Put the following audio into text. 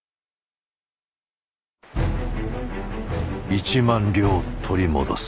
１万両取り戻す。